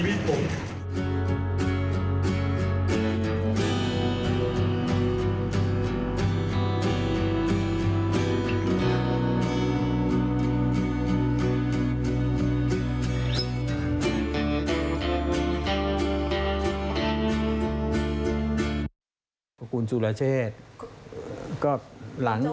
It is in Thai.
แท้ผมชั่ว